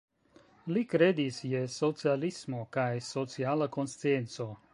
Li kredis je socialismo kaj sociala konscienco.